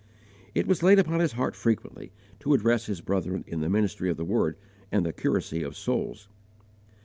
It was laid upon his heart frequently to address his brethren in the ministry of the Word and the curacy of souls.